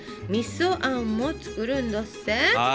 みそあんも作るんどっせ。